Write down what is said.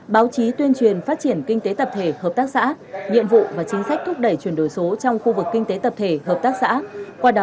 báo chí tuyên truyền phát triển kinh tế tập thể hợp tác xã nhiệm vụ và chính sách thúc đẩy chuyển đổi số trong khu vực kinh tế tập thể hợp tác xã